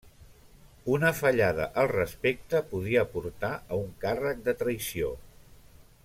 Una fallada al respecte podia portar a un càrrec de traïció.